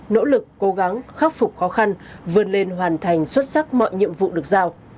nỗ lực cố gắng khắc phục khó khăn vươn lên hoàn thành xuất sắc mọi nhiệm vụ được giao